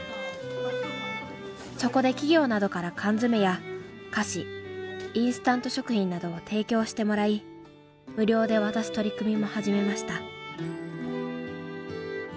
そこで企業などから缶詰や菓子インスタント食品などを提供してもらい無料で渡す取り組みも始めました。